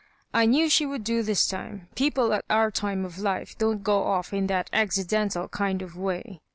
" I knew she would do this time. People at our time of life don't go off in that accidental kind of way.